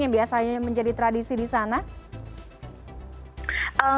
yang biasanya menjadi tradisi di sana